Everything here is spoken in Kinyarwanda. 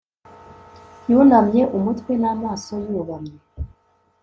yunamye umutwe n'amaso yubamye